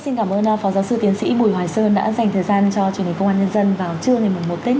xin cảm ơn phó giáo sư tiến sĩ bùi hoài sơn đã dành thời gian cho truyền hình công an nhân dân vào trưa ngày mùa tết như thế này